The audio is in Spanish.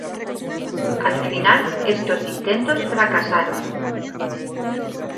Al final, estos intentos fracasaron.